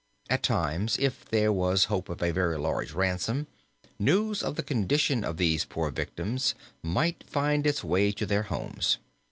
At times, if there was hope of a very large ransom, news of the condition of these poor victims might find its way to their homes.